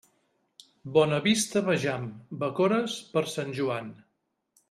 Bona vista vejam, bacores per Sant Joan.